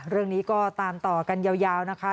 เรื่องนี้ก็ตามต่อกันยาวนะคะ